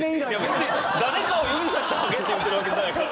別に誰かを指さしてハゲって言うてるわけじゃないから。